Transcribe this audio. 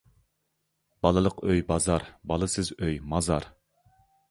بالىلىق ئۆي بازار، بالىسىز ئۆي مازار.